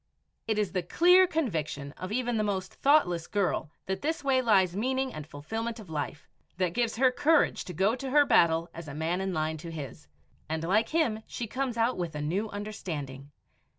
It is the clear conviction of even the most thoughtless girl that this way lies meaning and fulfillment of life, that gives her courage to go to her battle as a man in line to his, and like him she comes out with a new understanding.